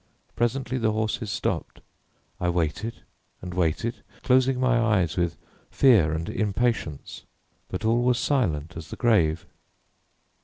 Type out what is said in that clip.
Presently the horses stopped. I waited and waited, closing my eyes with ear and impatience, but all was silent as the grave.